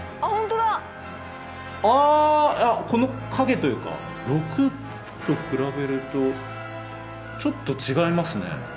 この影というか「６」と比べるとちょっと違いますね。